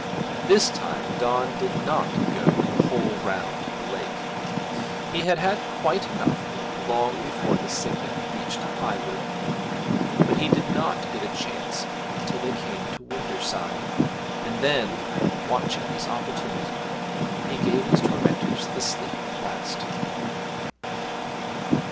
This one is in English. This time Don did not go the whole round of the lake; he had had quite enough of it long before the Cygnet reached Highwood, but he did not get a chance until they came to Winderside, and then, watching his opportunity, he gave his tormentors the slip at last.